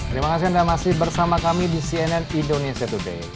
terima kasih anda masih bersama kami di cnn indonesia today